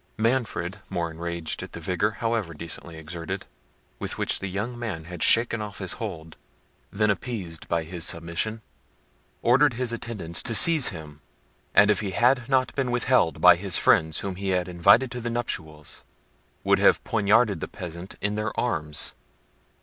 Manfred, more enraged at the vigour, however decently exerted, with which the young man had shaken off his hold, than appeased by his submission, ordered his attendants to seize him, and, if he had not been withheld by his friends whom he had invited to the nuptials, would have poignarded the peasant in their arms.